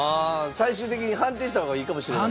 最終的に判定した方がいいかもしれない？